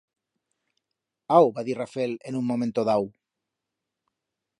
Au, va dir Rafel en un momento dau.